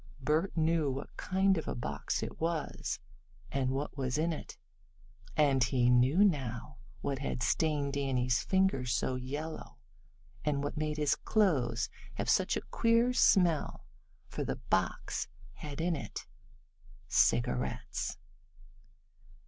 Bert knew what kind of a box it was, and what was in it, and he knew now, what had stained Danny's fingers so yellow, and what made his clothes have such a queer smell. For the box had in it cigarettes.